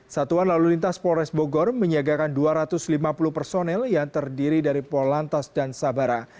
satuan lalu lintas polres bogor menyiagakan dua ratus lima puluh personel yang terdiri dari pol lantas dan sabara